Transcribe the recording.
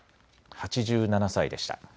８７歳でした。